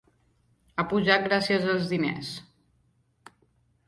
Ha pujat gràcies als diners.